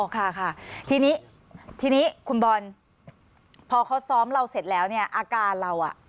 ค่ะค่ะทีนี้ทีนี้คุณบอลพอเขาซ้อมเราเสร็จแล้วเนี่ยอาการเราอ่ะ